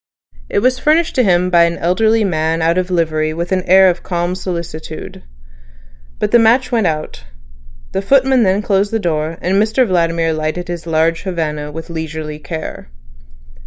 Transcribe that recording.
It was furnished to him by an elderly man out of livery with an air of calm solicitude. But the match went out; the footman then closed the door, and Mr Vladimir lighted his large Havana with leisurely care.